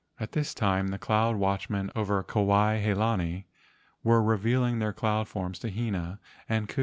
At this time the cloud watchmen over Kuai he lani were revealing their cloud forms to Hina and Ku.